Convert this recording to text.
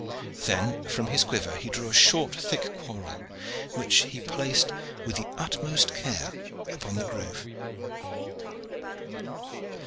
Then from his quiver he drew a short, thick quarrel, which he placed with the utmost care upon the groove.